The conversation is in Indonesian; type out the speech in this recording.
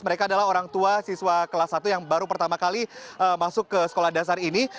mereka adalah orang tua siswa kelas satu yang baru pertama kali masuk ke sekolah dasar ini